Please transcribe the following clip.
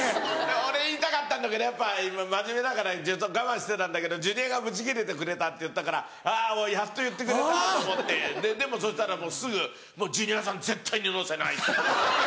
俺言いたかったんだけどやっぱ真面目だからずっと我慢してたんだけどジュニアがブチギレてくれたって言ったからやっと言ってくれたと思ってでもそしたらすぐ「もうジュニアさん絶対に乗せない」。